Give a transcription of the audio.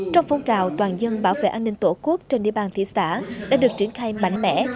trong phong trào toàn dân bảo vệ an ninh tổ quốc trên địa bàn thị xã đã được triển khai mạnh mẽ